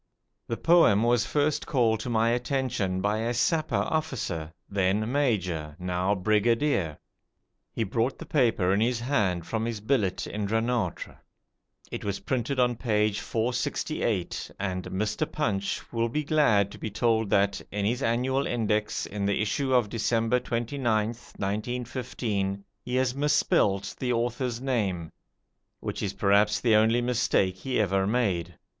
The poem was first called to my attention by a Sapper officer, then Major, now Brigadier. He brought the paper in his hand from his billet in Dranoutre. It was printed on page 468, and Mr. 'Punch' will be glad to be told that, in his annual index, in the issue of December 29th, 1915, he has misspelled the author's name, which is perhaps the only mistake he ever made.